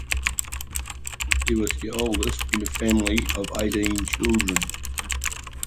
He was the oldest in a family of eighteen children.